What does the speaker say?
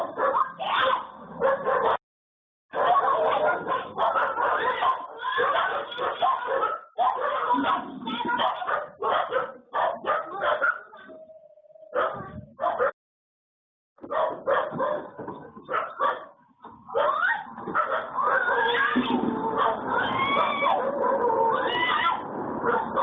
ก็เพราะพ่อนี้ไม่มีต้นผู้ชาย